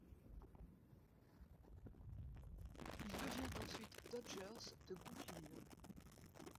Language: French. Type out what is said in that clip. Il devint ensuite Dodgers de Brooklyn.